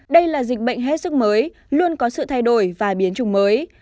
đây là dịch bệnh hết sức mới luôn có sự thay đổi và biến chủng mới